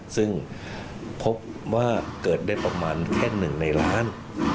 ซึ่งพบว่าเกิดได้ประมาณแค่๑ในล้าน